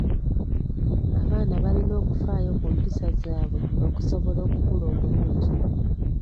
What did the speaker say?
Abaana balina okufaayo ku mpisa zaabwe okusobola okukula obulungi.